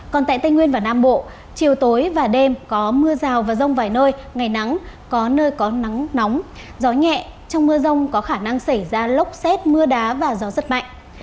còn tại tây nguyên và nam bộ chiều tối và đêm có mưa rào và rông vài nơi ngày nắng có nơi có nắng nóng gió nhẹ trong mưa rông có khả năng xảy ra lốc xét mưa đá và gió rất mạnh